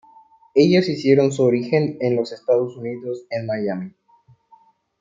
Ellos hicieron su origen en los Estados Unidos en Miami.